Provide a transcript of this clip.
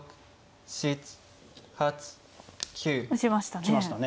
打ちましたね。